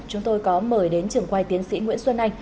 chúng tôi có mời đến trường quay tiến sĩ nguyễn xuân anh